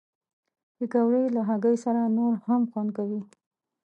پکورې له هګۍ سره نور هم خوند کوي